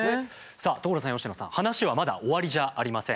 さあ所さん佳乃さん話はまだ終わりじゃありません。